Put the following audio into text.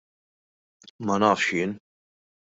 Ma nafx jien.